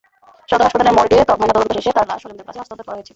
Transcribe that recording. সদর হাসপাতালের মর্গে ময়নাতদন্ত শেষে তাঁর লাশ স্বজনদের কাছে হস্তান্তর করা হয়েছে।